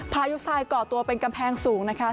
พายุทรายก่อตัวเป็นกำแพงสูงนะคะ